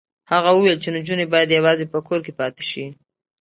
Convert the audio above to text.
هغه وویل چې نجونې باید یوازې په کور کې پاتې شي.